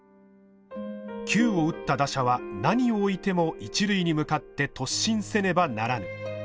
「球を打った打者は何をおいても一塁に向かって突進せねばならぬ」。